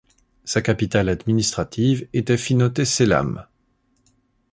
Sa capitale administrative était Finote Selam.